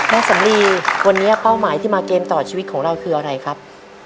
สำลีวันนี้เป้าหมายที่มาเกมต่อชีวิตของเราคืออะไรครับ